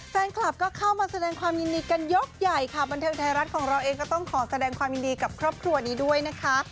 แฟนคลับก็เข้ามาแสดงความยินดีกันยกใหญ่ค่ะบันเทิงไทยรัฐของเราเองก็ต้องขอแสดงความยินดีกับครอบครัวนี้ด้วยนะคะ